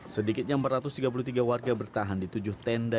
sedikitnya empat ratus tiga puluh tiga warga bertahan di tujuh tenda